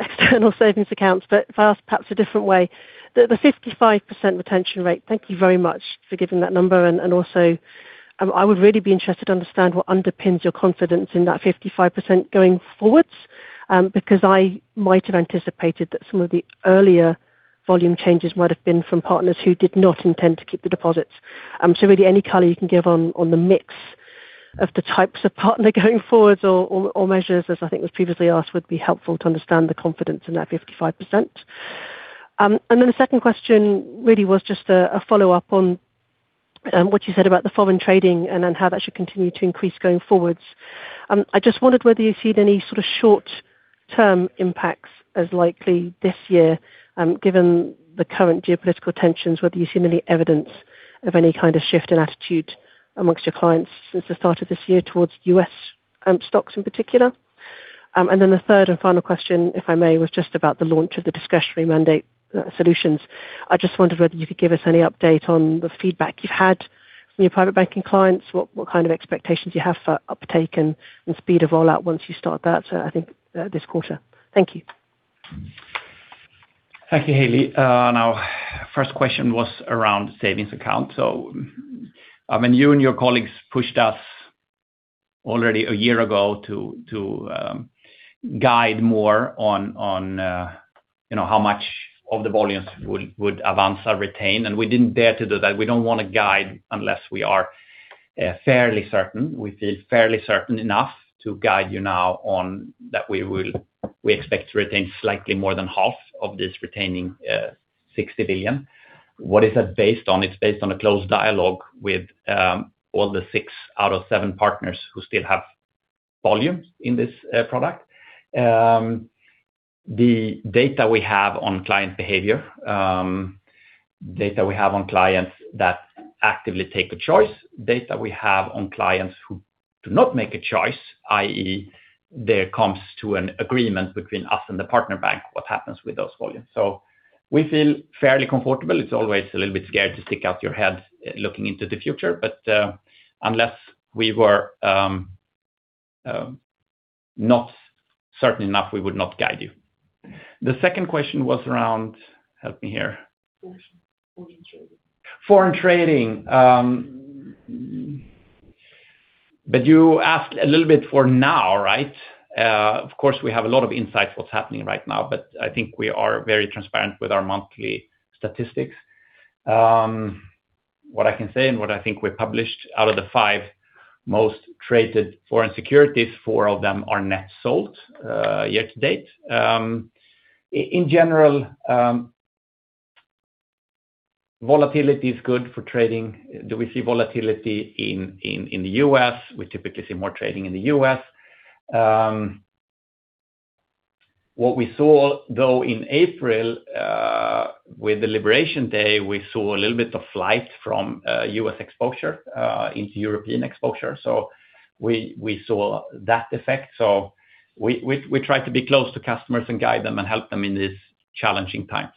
external savings accounts, but perhaps a different way. The 55% retention rate, thank you very much for giving that number. And also, I would really be interested to understand what underpins your confidence in that 55% going forward because I might have anticipated that some of the earlier volume changes might have been from partners who did not intend to keep the deposits. So really, any color you can give on the mix of the types of partner going forward or measures, as I think was previously asked, would be helpful to understand the confidence in that 55%. And then the second question really was just a follow-up on what you said about the foreign trading and how that should continue to increase going forward. I just wondered whether you see any sort of short-term impacts as likely this year, given the current geopolitical tensions, whether you see any evidence of any kind of shift in attitude amongst your clients since the start of this year towards U.S. stocks in particular, and then the third and final question, if I may, was just about the launch of the discretionary mandate solutions. I just wondered whether you could give us any update on the feedback you've had from your private banking clients, what kind of expectations you have for uptake and speed of rollout once you start that, I think, this quarter. Thank you.
Thank you, Haley. Now, first question was around savings accounts, so I mean, you and your colleagues pushed us already a year ago to guide more on how much of the volumes would Avanza retain, and we didn't dare to do that. We don't want to guide unless we are fairly certain. We feel fairly certain enough to guide you now on that we expect to retain slightly more than half of this retaining 60 million. What is that based on? It's based on a close dialogue with all the six out of seven partners who still have volume in this product. The data we have on client behavior, data we have on clients that actively take a choice, data we have on clients who do not make a choice, i.e., there comes to an agreement between us and the partner bank, what happens with those volumes. So we feel fairly comfortable. It's always a little bit scary to stick out your head looking into the future, but unless we were not certain enough, we would not guide you. The second question was around, help me here.
Foreign trading.
Foreign trading. But you asked a little bit for now, right? Of course, we have a lot of insights what's happening right now, but I think we are very transparent with our monthly statistics. What I can say and what I think we published, out of the five most traded foreign securities, four of them are net sold year to date. In general, volatility is good for trading. Do we see volatility in the U.S.? We typically see more trading in the U.S. What we saw, though, in April with the Liberation Day, we saw a little bit of flight from U.S. exposure into European exposure. So we try to be close to customers and guide them and help them in these challenging times.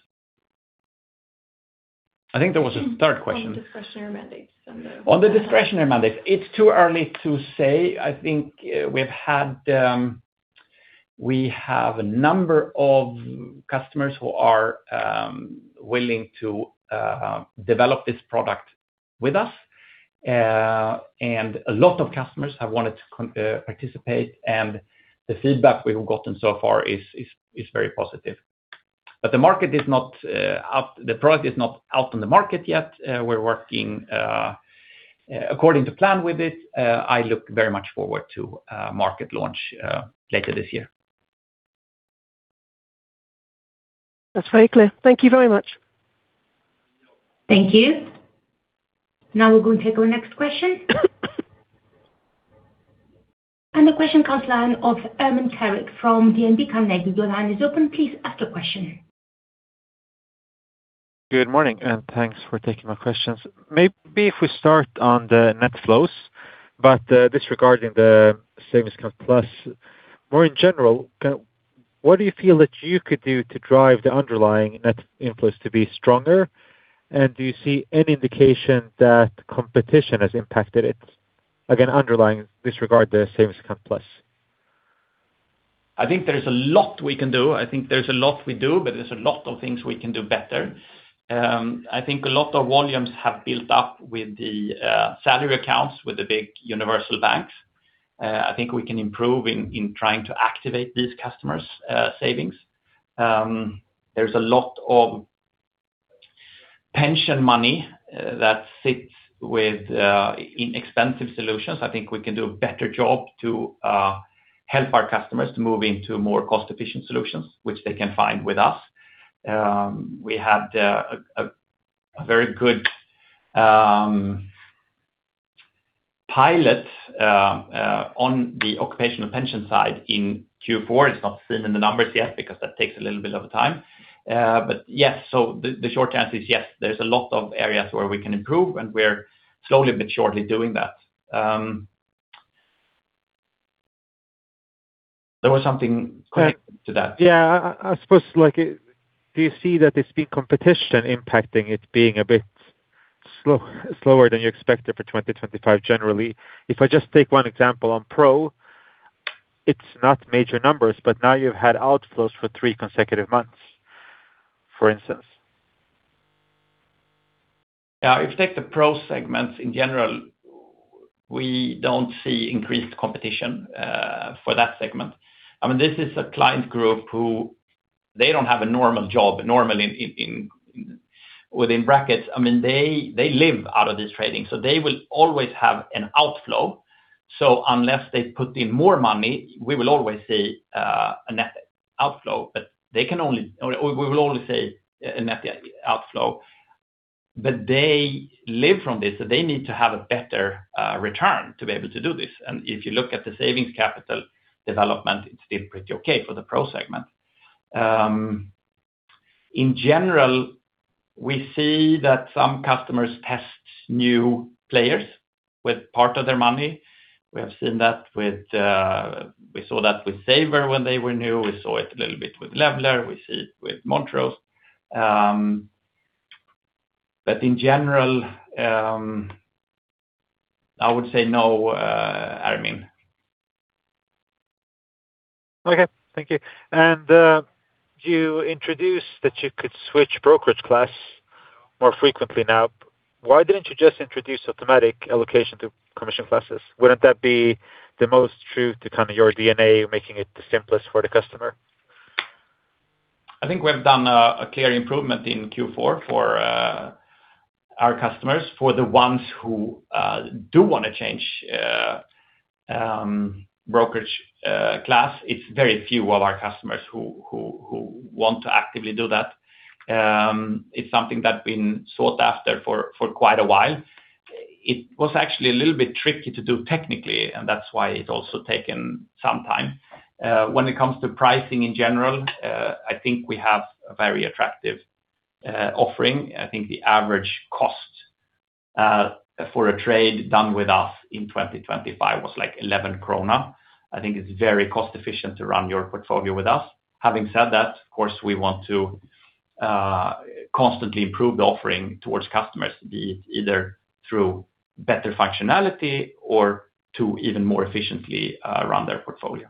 I think there was a third question.
On the discretionary mandates.
On the discretionary mandates. It's too early to say. I think we've had a number of customers who are willing to develop this product with us, and a lot of customers have wanted to participate. And the feedback we've gotten so far is very positive. But the product is not out on the market yet. We're working according to plan with it. I look very much forward to market launch later this year.
That's very clear. Thank you very much.
Thank you. Now we're going to take our next question. And the question comes to the line of Ermin Keric from DNB Carnegie. Your line is open. Please ask your question.
Good morning, and thanks for taking my questions. Maybe if we start on the net flows, but this regarding the Savings Account Plus more in general, what do you feel that you could do to drive the underlying net inflows to be stronger? Do you see any indication that competition has impacted it? Again, in this regard, the savings account plus.
I think there's a lot we can do. I think there's a lot we do, but there's a lot of things we can do better. I think a lot of volumes have built up with the salary accounts with the big universal banks. I think we can improve in trying to activate these customers' savings. There's a lot of pension money that sits with inexpensive solutions. I think we can do a better job to help our customers to move into more cost-efficient solutions, which they can find with us. We had a very good pilot on the occupational pension side in Q4. It's not seen in the numbers yet because that takes a little bit of time. But yes, so the short answer is yes. There's a lot of areas where we can improve, and we're slowly but surely doing that. There was something connected to that.
Yeah. I suppose, do you see that there's been competition impacting it being a bit slower than you expected for 2025 generally? If I just take one example on Pro, it's not major numbers, but now you've had outflows for three consecutive months, for instance.
Yeah. If you take the Pro segments in general, we don't see increased competition for that segment. I mean, this is a client group who they don't have a normal job normally within brackets. I mean, they live out of this trading, so they will always have an outflow. So unless they put in more money, we will always see a net outflow. But they live from this, so they need to have a better return to be able to do this. And if you look at the savings capital development, it's still pretty okay for the Pro segment. In general, we see that some customers test new players with part of their money. We have seen that with Savr when they were new. We saw it a little bit with Levler. We see it with Montrose. But in general, I would say no, Ermin.
Okay. Thank you. And you introduced that you could switch brokerage class more frequently now. Why didn't you just introduce automatic allocation to commission classes? Wouldn't that be the most true to kind of your DNA, making it the simplest for the customer?
I think we've done a clear improvement in Q4 for our customers. For the ones who do want to change brokerage class, it's very few of our customers who want to actively do that. It's something that's been sought after for quite a while. It was actually a little bit tricky to do technically, and that's why it's also taken some time. When it comes to pricing in general, I think we have a very attractive offering. I think the average cost for a trade done with us in 2025 was like 11 krona. I think it's very cost-efficient to run your portfolio with us. Having said that, of course, we want to constantly improve the offering towards customers, be it either through better functionality or to even more efficiently run their portfolio.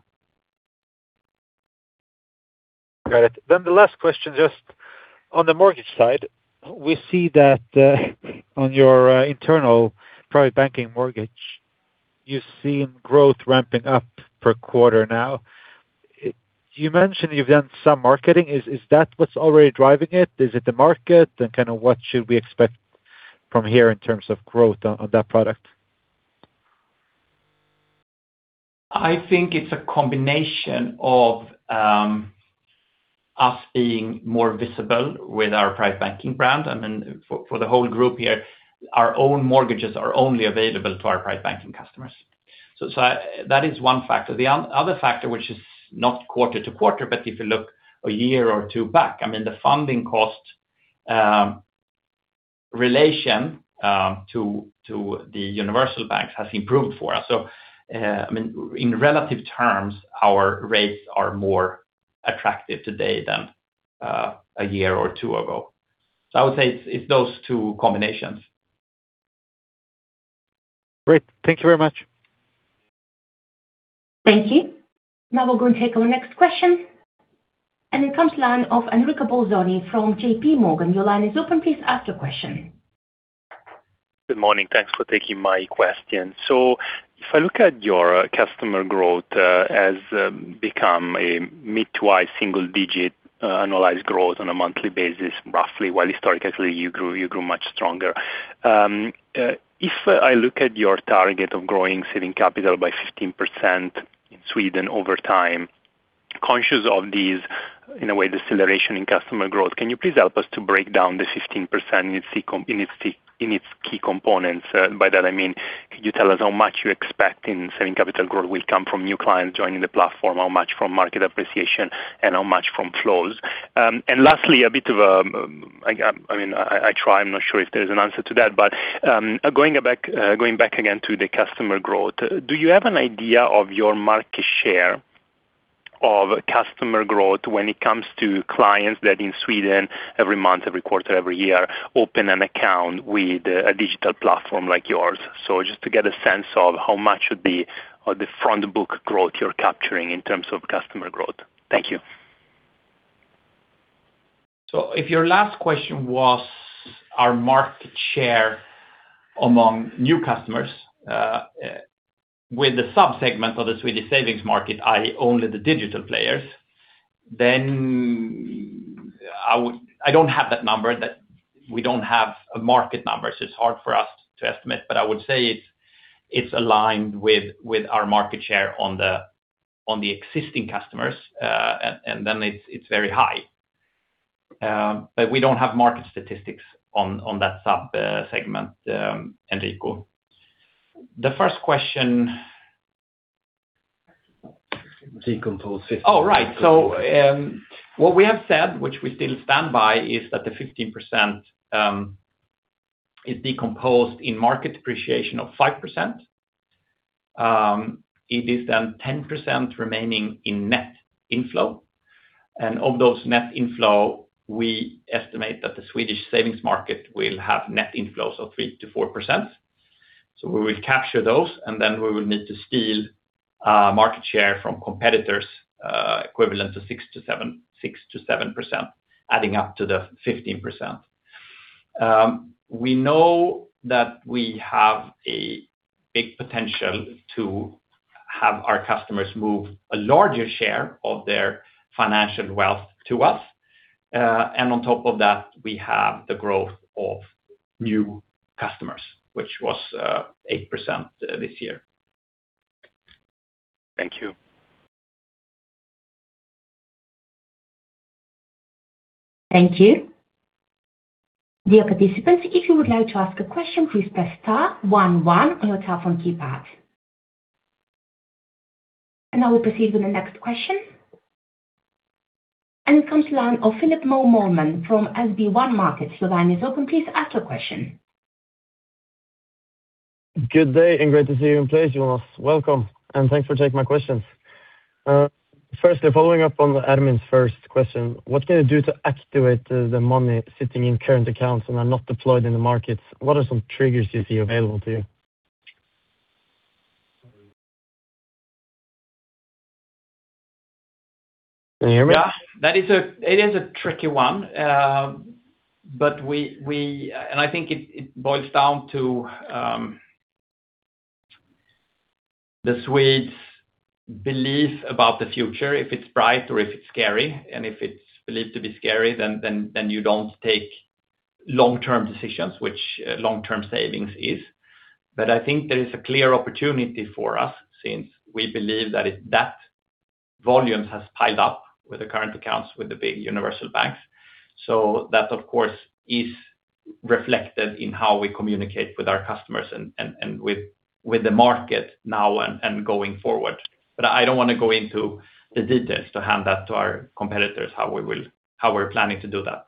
Got it. Then the last question just on the mortgage side. We see that on your internal Private Banking mortgage, you've seen growth ramping up per quarter now. You mentioned you've done some marketing. Is that what's already driving it? Is it the market? And kind of what should we expect from here in terms of growth on that product?
I think it's a combination of us being more visible with our private banking brand. I mean, for the whole group here, our own mortgages are only available to our private banking customers. So that is one factor. The other factor, which is not quarter to quarter, but if you look a year or two back, I mean, the funding cost relation to the universal banks has improved for us. So I mean, in relative terms, our rates are more attractive today than a year or two ago. So I would say it's those two combinations.
Great. Thank you very much.
Thank you. Now we're going to take our next question. And it comes to the line of Enrico Bolzoni from JPMorgan. Your line is open. Please ask your question.
Good morning. Thanks for taking my question. So if I look at your customer growth has become a mid- to high single-digit annualized growth on a monthly basis, roughly, while historically you grew much stronger. If I look at your target of growing saving capital by 15% in Sweden over time, conscious of these, in a way, deceleration in customer growth, can you please help us to break down the 15% in its key components? By that, I mean, could you tell us how much you expect in saving capital growth will come from new clients joining the platform, how much from market appreciation, and how much from flows? And lastly, a bit of a, I mean, I try. I'm not sure if there's an answer to that. But going back again to the customer growth, do you have an idea of your market share of customer growth when it comes to clients that in Sweden, every month, every quarter, every year, open an account with a digital platform like yours? So just to get a sense of how much of the front book growth you're capturing in terms of customer growth. Thank you.
So if your last question was our market share among new customers with the subsegment of the Swedish savings market, i.e., only the digital players, then I don't have that number. We don't have a market number, so it's hard for us to estimate. But I would say it's aligned with our market share on the existing customers, and then it's very high. But we don't have market statistics on that subsegment, Enrico. The first question. Oh, right. So what we have said, which we still stand by, is that the 15% is decomposed in market depreciation of 5%. It is then 10% remaining in net inflow. And of those net inflow, we estimate that the Swedish savings market will have net inflows of 3%-4%. So we will capture those, and then we will need to steal market share from competitors equivalent to 6%-7%, adding up to the 15%. We know that we have a big potential to have our customers move a larger share of their financial wealth to us. And on top of that, we have the growth of new customers, which was 8% this year.
Thank you.
Thank you. Dear participants, if you would like to ask a question, please press star 11 on your telephone keypad. And now we proceed with the next question. And it comes to the line of Phillip Moe Mølmen from SB1 Markets. Your line is open. Please ask your question.
Good day and great to see you in place, Jonas. Welcome. And thanks for taking my questions. Firstly, following up on Ermin's first question, what can you do to activate the money sitting in current accounts and are not deployed in the markets? What are some triggers you see available to you? Can you hear me?
Yeah. It is a tricky one. And I think it boils down to the Swedes' belief about the future, if it's bright or if it's scary. And if it's believed to be scary, then you don't take long-term decisions, which long-term savings is. But I think there is a clear opportunity for us since we believe that that volume has piled up with the current accounts with the big universal banks. So that, of course, is reflected in how we communicate with our customers and with the market now and going forward. But I don't want to go into the details to hand that to our competitors, how we're planning to do that.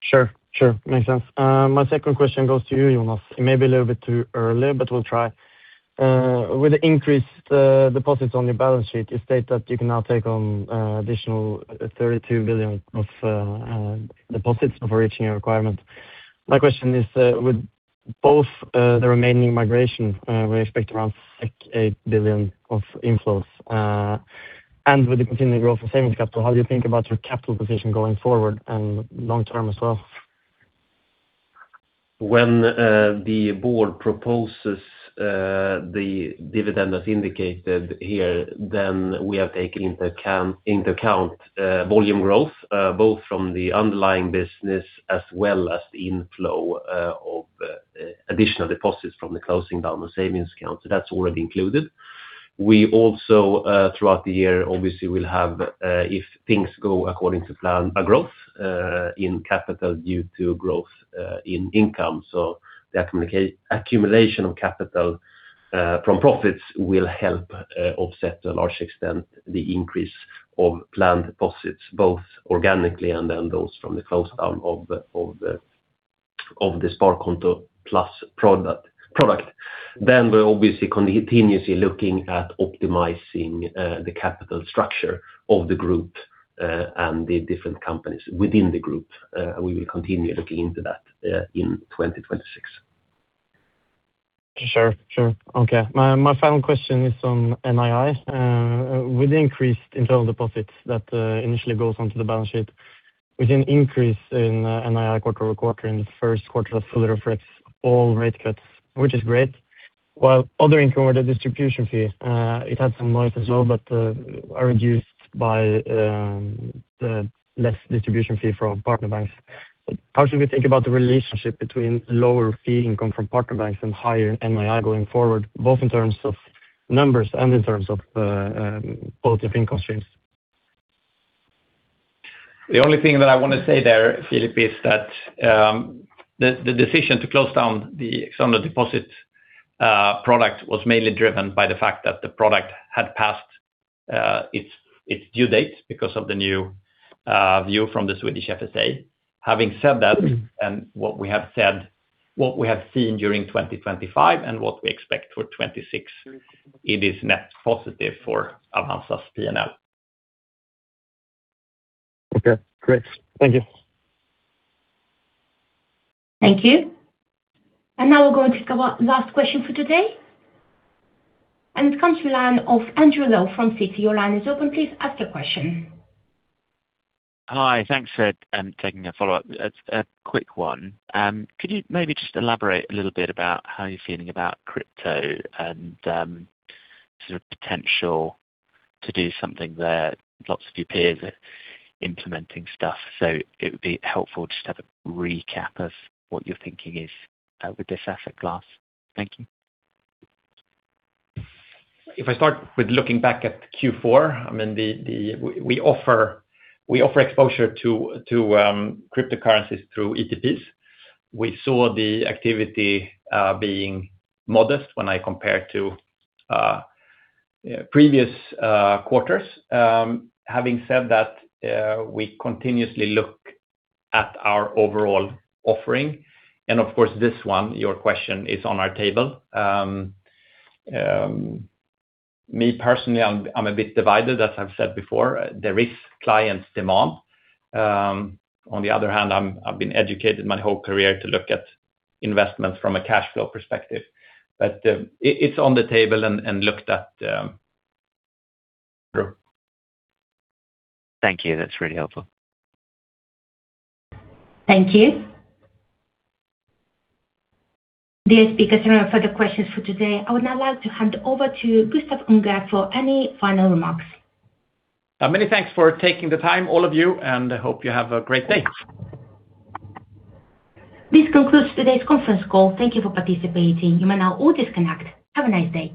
Sure. Sure. Makes sense. My second question goes to you, Jonas. It may be a little bit too early, but we'll try. With the increased deposits on your balance sheet, you state that you can now take on additional 32 billion of deposits before reaching your requirement. My question is, with both the remaining migration, we expect around 8 billion of inflows. And with the continued growth of savings capital, how do you think about your capital position going forward and long-term as well?
When the board proposes the dividend as indicated here, then we have taken into account volume growth, both from the underlying business as well as the inflow of additional deposits from the closing down of savings accounts. So that's already included. We also, throughout the year, obviously, will have, if things go according to plan, a growth in capital due to growth in income. So the accumulation of capital from profits will help offset to a large extent the increase of planned deposits, both organically and then those from the close down of the Sparkonto+ product. Then we're obviously continuously looking at optimizing the capital structure of the group and the different companies within the group. We will continue looking into that in 2026.
Sure. Sure. Okay. My final question is on NII. With the increased internal deposits that initially goes onto the balance sheet, we've seen an increase in NII quarter-over-quarter. In the first quarter, that fully reflects all rate cuts, which is great. While other income with a distribution fee, it had some noise as well, but reduced by the less distribution fee from partner banks. How should we think about the relationship between lower fee income from partner banks and higher NII going forward, both in terms of numbers and in terms of both of income streams?
The only thing that I want to say there, Phillip, is that the decision to close down the external deposit product was mainly driven by the fact that the product had past its due date because of the new view from the Swedish FSA. Having said that, and what we have said, what we have seen during 2025 and what we expect for 2026, it is net positive for Avanza's P&L.
Okay. Great. Thank you.
Thank you. And now we're going to take our last question for today. And it comes to the line of Andrew Lowe from Citi. Your line is open. Please ask your question.
Hi. Thanks for taking a follow-up. A quick one. Could you maybe just elaborate a little bit about how you're feeling about crypto and sort of potential to do something there? Lots of your peers are implementing stuff. So it would be helpful just to have a recap of what you're thinking is with this asset class. Thank you.
If I start with looking back at Q4, I mean, we offer exposure to cryptocurrencies through ETPs. We saw the activity being modest when I compare to previous quarters. Having said that, we continuously look at our overall offering, and of course, this one, your question is on our table. Me personally, I'm a bit divided, as I've said before. There is client demand. On the other hand, I've been educated my whole career to look at investments from a cash flow perspective, but it's on the table and looked at.
Thank you. That's really helpful.
Thank you. Dear speakers, there are no further questions for today. I would now like to hand over to Gustaf Unger for any final remarks.
Many thanks for taking the time, all of you, and I hope you have a great day.
This concludes today's conference call. Thank you for participating. You may now all disconnect. Have a nice day.